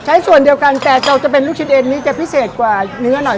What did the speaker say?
ส่วนเดียวกันแต่เราจะเป็นลูกชิ้นเอ็นนี้จะพิเศษกว่าเนื้อหน่อย